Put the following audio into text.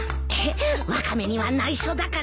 ワカメには内緒だからね。